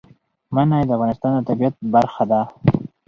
منی د افغانستان د طبیعت برخه ده.